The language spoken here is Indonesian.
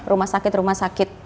rumah sakit rumah sakit